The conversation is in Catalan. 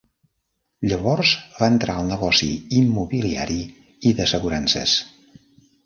Llavors va entrar al negoci immobiliari i d'assegurances.